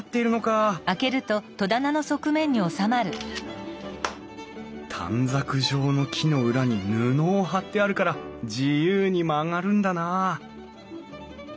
あ短冊状の木の裏に布を貼ってあるから自由に曲がるんだなあ